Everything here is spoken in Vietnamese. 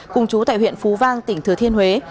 cùng chú tại huyện phú vang tỉnh thừa thiên huế